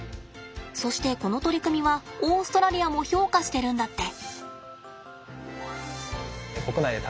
そしてこの取り組みはオーストラリアも評価してるんだって。